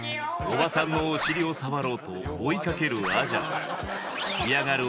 おばさんのお尻を触ろうと追いかけるアジャブ嫌がる